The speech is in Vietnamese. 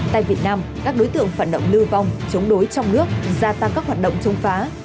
tại việt nam các đối tượng phản động lưu vong chống đối trong nước gia tăng các hoạt động chống phá